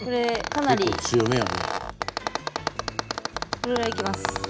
これぐらいいきます。